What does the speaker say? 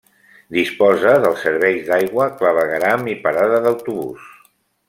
Disposa dels serveis d'aigua, clavegueram i parada d'autobús.